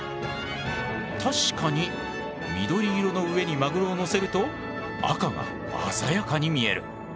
確かに緑色の上にマグロを載せると赤が鮮やかに見える。